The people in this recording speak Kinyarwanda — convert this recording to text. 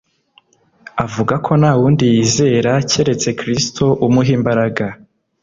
avuga ko ntawundi yizera cyeretse kristo umuha imbaraga